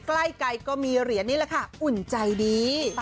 ใกล้ก็มีเหรียญนี่แหละค่ะอุ่นใจดี